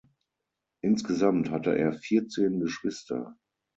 Insgesamt hatte er vierzehn Geschwister.